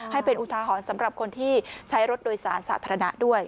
ให้เป็นอุทาหรณ์สำหรับคนที่ใช้รถโดยสารสาธารณะด้วย